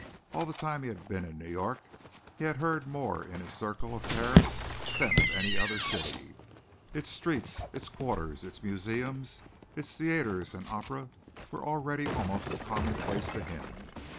All the time he had been in New York he had heard more in his circle of Paris than of any other city. Its streets, its quarters, its museums, its theatres and opera were already almost a commonplace to him.